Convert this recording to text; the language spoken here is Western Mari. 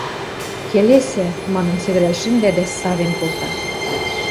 – Келесӹ! – манын сӹгӹрӓл шӹнда дӓ савен колта.